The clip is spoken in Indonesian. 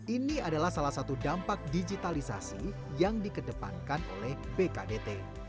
ini adalah salah satu dampak digitalisasi yang dikedepankan oleh bkdt